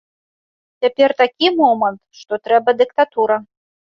Цяпер такі момант, што трэба дыктатура.